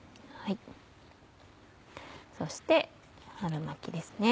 そして春巻きですね。